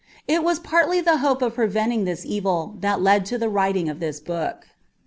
It was partly the hope of preventing this evil that led to the writing of this book.